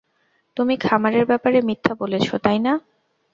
তুমি খামারের ব্যাপারে মিথ্যা বলেছ, তাই না?